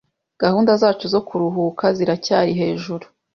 Gahunda zacu zo kuruhuka ziracyari hejuru.